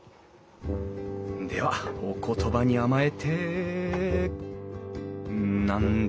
ではお言葉に甘えて何だ？